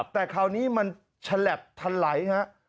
แต่คราวนี้มันฉลับทันไหลฮะ